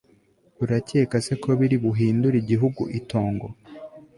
urakeka se ko biri buhindure igihugu itongo